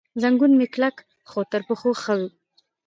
زنګون مې کلک، خو تر پخوا ښه و.